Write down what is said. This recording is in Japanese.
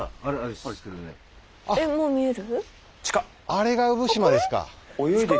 あれが産島ですか。